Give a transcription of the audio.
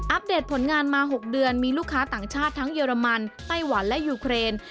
เดตผลงานมา๖เดือนมีลูกค้าต่างชาติทั้งเยอรมันไต้หวันและยูเครน